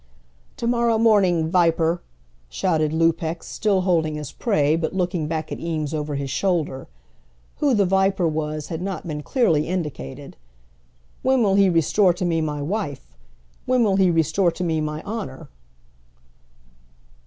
"To morrow morning, viper," shouted Lupex, still holding his prey, but looking back at Eames over his shoulder. Who the viper was had not been clearly indicated. "When will he restore to me my wife? When will he restore to me my honour?"